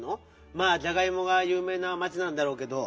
まあじゃがいもがゆう名な町なんだろうけど。